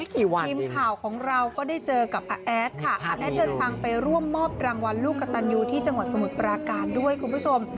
ทีมข่าวของเราก็ได้เจอกับอาแอดค่ะอาแอดเดินทางไปร่วมมอบรางวัลลูกกระตันยูที่จังหวัดสมุทรปราการด้วยคุณผู้ชม